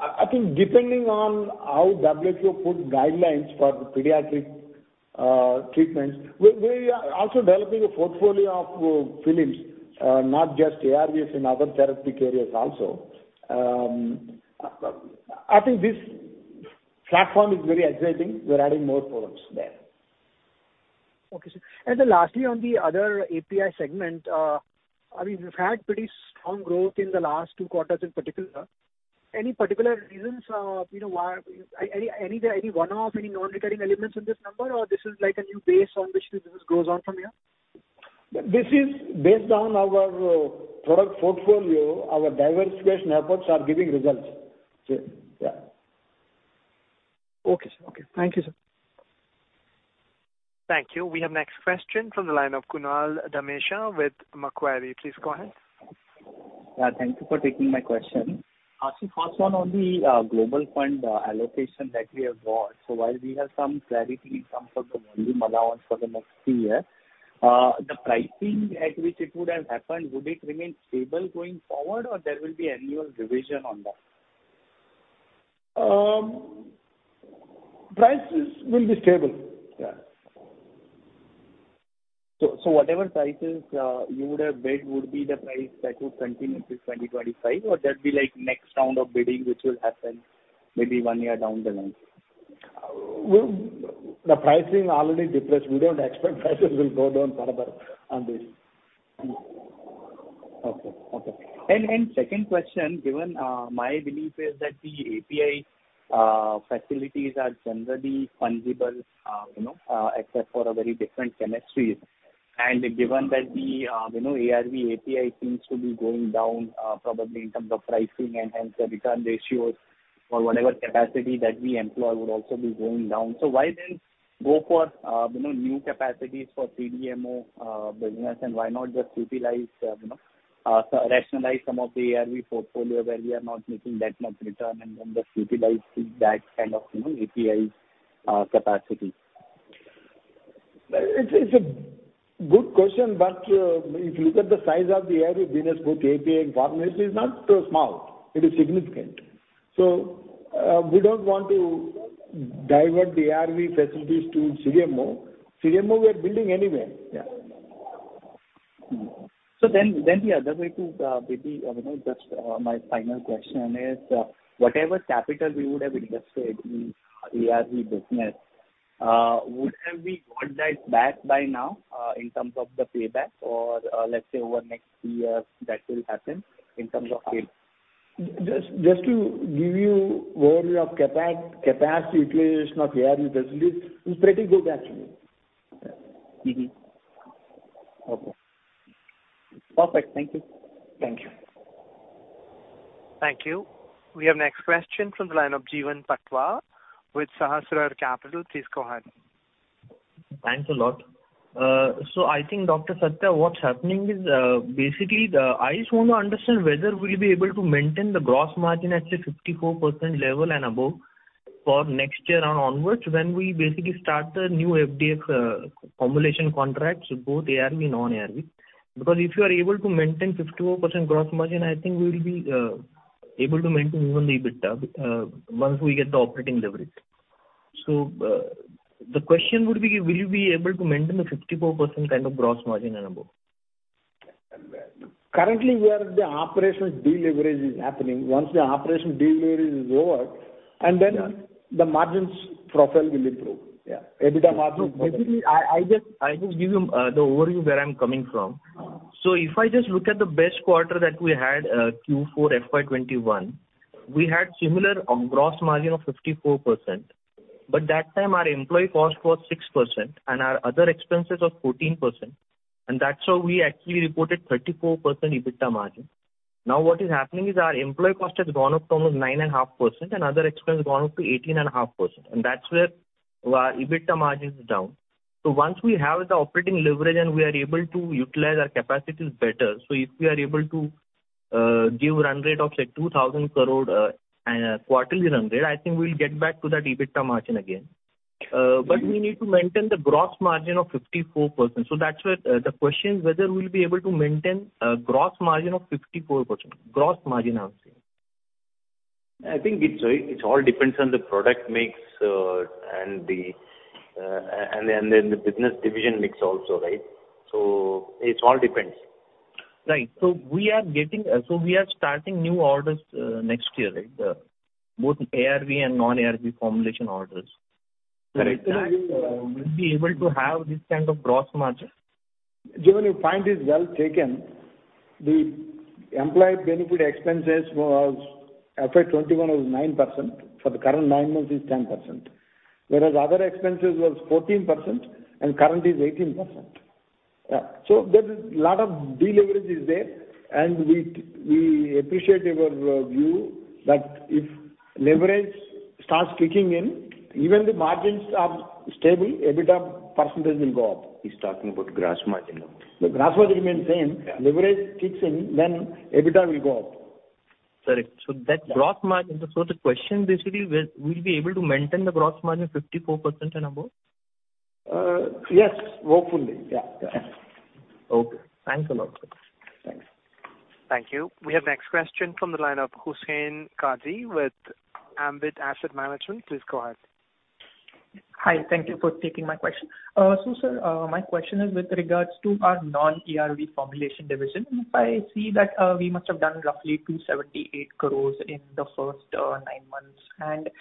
I think depending on how WHO puts guidelines for pediatric treatments. We are also developing a portfolio of films, not just ARVs in other therapeutic areas also. I think this platform is very exciting. We're adding more products there. Okay, sir. Lastly, on the other API segment, I mean, you've had pretty strong growth in the last two quarters in particular. Any particular reasons, you know, why any one-off, any non-recurring elements in this number? Or this is like a new base on which the business grows on from here? This is based on our product portfolio. Our diversification efforts are giving results. Yeah. Okay, sir. Okay. Thank you, sir. Thank you. We have next question from the line of Kunal Dhamesha with Macquarie. Please go ahead. Yeah, thank you for taking my question. First one on the Global Fund allocation that we have got. While we have some clarity in terms of the volume allowance for the next year, the pricing at which it would have happened, would it remain stable going forward, or there will be annual revision on that? Prices will be stable. Yeah. Whatever prices, you would have bid would be the price that would continue through 2025, or there'd be like next round of bidding, which will happen maybe one year down the line? The pricing already depressed. We don't expect prices will go down further on this. Okay. Okay. Second question, given my belief is that the API facilities are generally fungible, you know, except for very different chemistries. Given that the, you know, ARV API seems to be going down, probably in terms of pricing and hence the return ratios for whatever capacity that we employ would also be going down. Why then go for, you know, new capacities for CDMO business, and why not just utilize, you know, so rationalize some of the ARV portfolio where we are not making that much return and then just utilize that kind of, you know, API capacity? It's a good question. If you look at the size of the ARV business, both API and formulas, it's not so small. It is significant. We don't want to divert the ARV facilities to CDMO. CDMO we are building anyway. Yeah. The other way to, maybe, you know, just, my final question is, whatever capital we would have invested in ARV business, would have we got that back by now, in terms of the payback or, let's say over next three years that will happen in terms of pay? Just to give you overview of capacity utilization of ARV facilities is pretty good actually. Yeah. Mm-hmm. Okay. Perfect. Thank you. Thank you. Thank you. We have next question from the line of Jeevan Patwa with Sahasrar Capital. Please go ahead. Thanks a lot. I think, Dr. Satya, what's happening is, basically, I just want to understand whether we'll be able to maintain the gross margin at a 54% level and above for next year and onwards when we basically start the new FDF formulation contracts, both ARV, non-ARV. If you are able to maintain 54% gross margin, I think we will be able to maintain even the EBITDA once we get the operating leverage. The question would be, will you be able to maintain the 54% kind of gross margin and above? Currently, where the operations deleverage is happening, once the operation deleverage is over, and then the margins profile will improve. Yeah. EBITDA margin. Basically I just give you the overview where I'm coming from. Uh. If I just look at the best quarter that we had, Q4 FY 2021, we had similar gross margin of 54%. That time our employee cost was 6% and our other expenses was 14%, and that's why we actually reported 34% EBITDA margin. What is happening is our employee cost has gone up to almost 9.5% and other expense gone up to 18.5%, and that's where our EBITDA margin is down. Once we have the operating leverage and we are able to utilize our capacities better, if we are able to give run rate of say 2,000 crore quarterly run rate, I think we'll get back to that EBITDA margin again. We need to maintain the gross margin of 54%. That's where, the question is whether we'll be able to maintain a gross margin of 54%. Gross margin, I would say. I think it's, it all depends on the product mix, and the, and then the business division mix also, right? It all depends. Right. We are starting new orders next year, right? Both ARV and non-ARV formulation orders. Correct. Will we be able to have this kind of gross margin? Jeevan, your point is well taken. The employee benefit expenses was FY 2021 was 9%. For the current nine months is 10%. Other expenses was 14% and current is 18%. Yeah. There is lot of deleverage is there, and we appreciate your view that if leverage starts kicking in, even the margins are stable, EBITDA percentage will go up. He's talking about gross margin now. The gross margin remains same. Yeah. Leverage kicks in, then EBITDA will go up. Correct. That gross margin, the question basically, will we be able to maintain the gross margin 54% and above? Yes. Hopefully. Yeah. Yeah. Okay. Thanks a lot, sir. Thanks. Thank you. We have next question from the line of Hussain Kagzi with Ambit Asset Management. Please go ahead. Hi. Thank you for taking my question. Sir, my question is with regards to our non-ARV formulation division. If I see that, we must have done roughly 278 crores in the first nine months.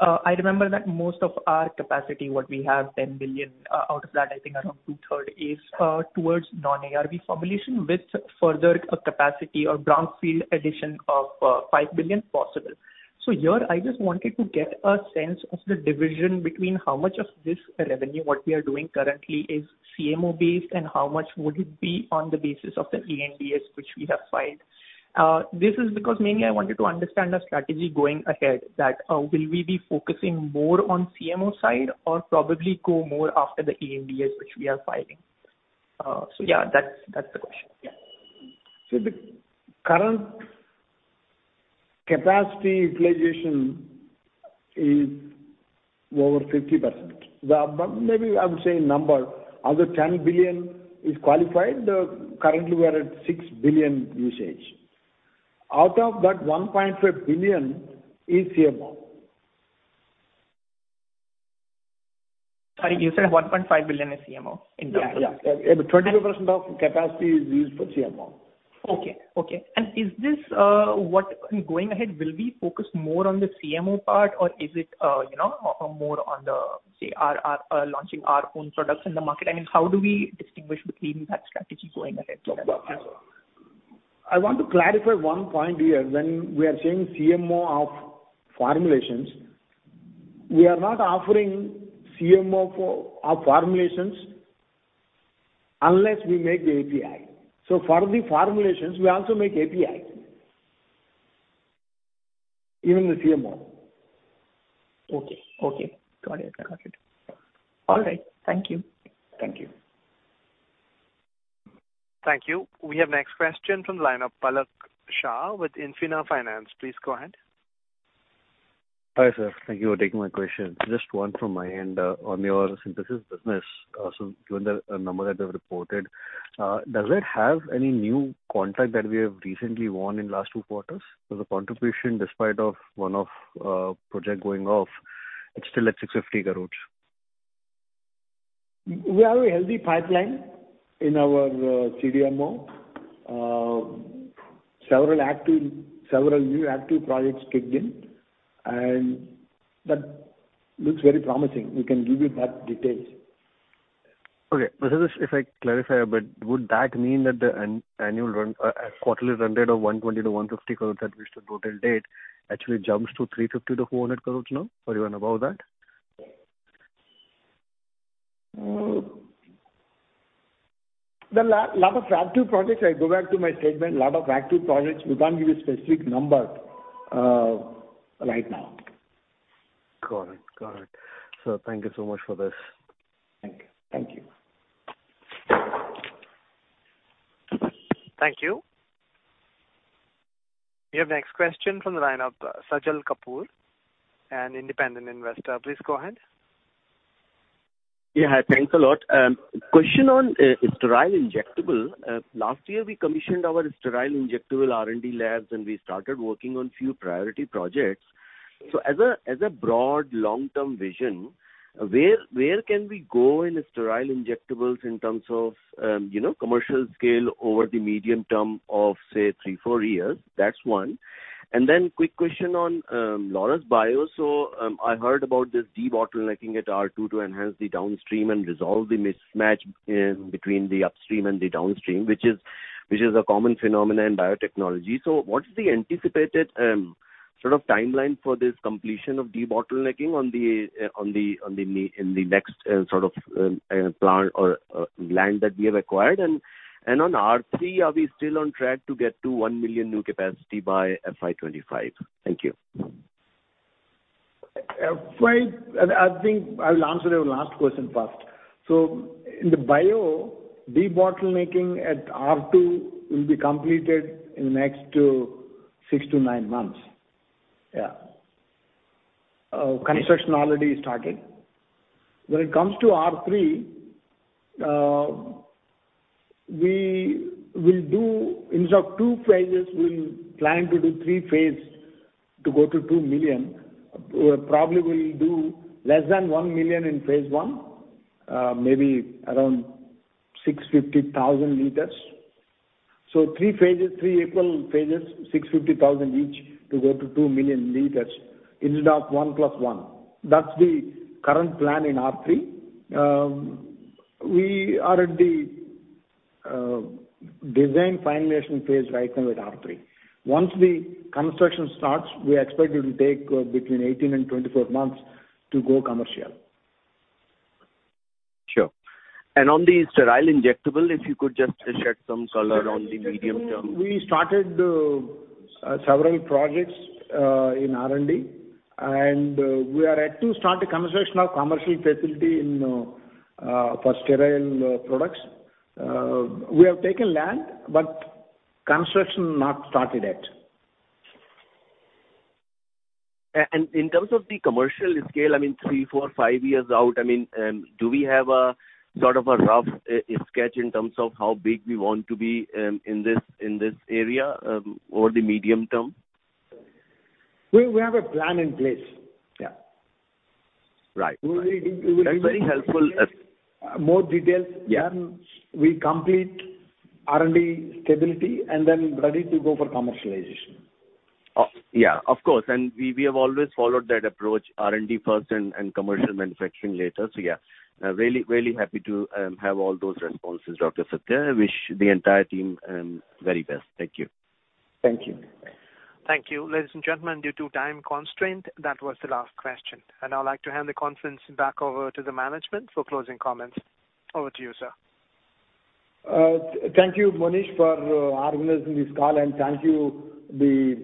I remember that most of our capacity, what we have 10 billion, out of that, I think around 2/3 is towards non-ARV formulation with further capacity or brownfield addition of 5 billion possible. Here, I just wanted to get a sense of the division between how much of this revenue, what we are doing currently is CMO-based and how much would it be on the basis of the ANDAs which we have filed. This is because mainly I wanted to understand the strategy going ahead that, will we be focusing more on CMO side or probably go more after the ANDAs which we are filing? Yeah, that's the question. The current capacity utilization is over 50%. 10 billion is qualified, currently we are at 6 billion usage. Out of that 1.5 billion is CMO. Sorry, you said $1.5 billion is CMO in total? Yeah, yeah. 22% of capacity is used for CMO. Okay, okay. Is this what going ahead will be focused more on the CMO part or is it, you know, more on the, say, our launching our own products in the market? I mean, how do we distinguish between that strategy going ahead, sir? I want to clarify one point here. When we are saying CMO of formulations, we are not offering CMO for our formulations unless we make the API. For the formulations, we also make API. Even the CMO. Okay, okay. Got it, got it. All right, thank you. Thank you. Thank you. We have next question from the line of Palak Shah with Infina Finance. Please go ahead. Hi, sir. Thank you for taking my question. Just one from my end on your synthesis business. Given the number that you have reported, does it have any new contract that we have recently won in last two quarters? The contribution despite of one-off project going off, it's still at 650 crores. We have a healthy pipeline in our CDMO. Several new active projects kicked in. That looks very promising. We can give you that details. Okay. Just if I clarify a bit, would that mean that the annual run, quarterly run rate of 120 crore-150 crore at which the total date actually jumps to 350 crore-400 crore now or even above that? The lot of active projects, I go back to my statement, a lot of active projects, we can't give you specific number right now. Got it. Got it. Sir, thank you so much for this. Thank you. Thank you. Thank you. We have next question from the line of Sajal Kapoor, an independent investor. Please go ahead. Yeah, hi. Thanks a lot. Question on sterile injectable. Last year we commissioned our sterile injectable R&D labs and we started working on few priority projects. As a broad long-term vision, where can we go in sterile injectables in terms of, you know, commercial scale over the medium term of say three to four years? That's one. Quick question on Laurus Bio. I heard about this debottlenecking at R2 to enhance the downstream and resolve the mismatch in between the upstream and the downstream, which is a common phenomenon in biotechnology. What is the anticipated sort of timeline for this completion of debottlenecking on the next sort of plant or land that we have acquired? On R3, are we still on track to get to 1 million new capacity by FY 2025? Thank you. Right. I think I will answer your last question first. In the bio, debottlenecking at R2 will be completed in the next six to nine months. Construction already started. When it comes to R3, we will do instead of two phases, we'll plan to do three phases to go to 2 million. We probably will do less than 1 million in phase I, maybe around 650,000 liters. Three phases, three equal phases, 650,000 each to go to 2 million liters instead of 1 + 1. That's the current plan in R3. We are at the design finalization phase right now with R3. Once the construction starts, we expect it will take between 18 and 24 months to go commercial. Sure. On the sterile injectable, if you could just shed some color on the medium term. We started several projects in R&D, and we are yet to start the construction of commercial facility in for sterile products. We have taken land, but construction not started yet. In terms of the commercial scale, I mean, three, four, fie years out, I mean, do we have a sort of a rough sketch in terms of how big we want to be in this, in this area, over the medium term? We have a plan in place, yeah. Right. Right. That's very helpful. We will give you more details when we complete R&D stability and then ready to go for commercialization. Yeah, of course. We have always followed that approach R&D first and commercial manufacturing later. Yeah, really happy to have all those responses, Dr. Satya. I wish the entire team very best. Thank you. Thank you. Thank you. Ladies and gentlemen, due to time constraint, that was the last question. I'd like to hand the conference back over to the management for closing comments. Over to you, sir. Thank you, Monish, for organizing this call, and thank you the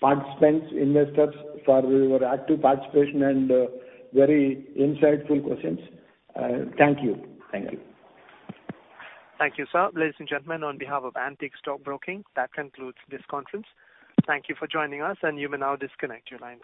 participants, investors for your active participation and very insightful questions. Thank you. Thank you. Thank you, sir. Ladies and gentlemen, on behalf of Antique Stock Broking, that concludes this conference. Thank you for joining us, and you may now disconnect your lines.